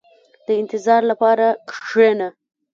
• د انتظار لپاره کښېنه.